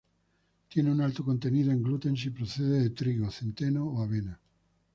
Tiene un alto contenido en gluten si procede de trigo, centeno o avena.